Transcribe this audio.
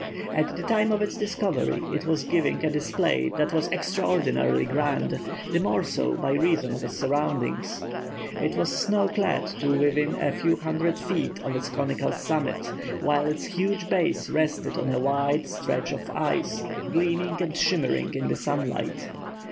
At the time of its discovery it was giving a display that was extraordinarily grand, the more so by reason of its surroundings. It was snow clad to within a few hundred feet of its conical summit, while its huge base rested on a wide stretch of ice, gleaming and shimmering in the sunlight.